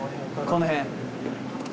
この辺。